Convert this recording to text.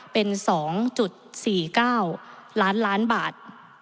เป็น๒๔๙ล้านบาท